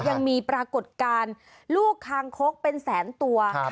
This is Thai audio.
ยังมีปรากฏการณ์ลูกคางคกเป็นแสนตัว